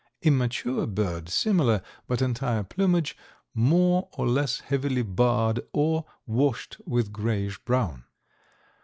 Immature bird similar, but entire plumage more or less heavily barred or washed with grayish brown.